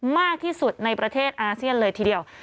มากที่สุดในประเทศอาเซียนเลยทีเดียว